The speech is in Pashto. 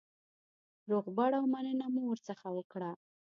روغبړ او مننه مو ورڅخه وکړه.